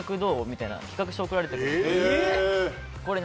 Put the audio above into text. みたいな企画書を送られてきて。